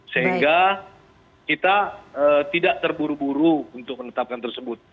sehingga kita tidak terburu buru untuk menetapkan tersebut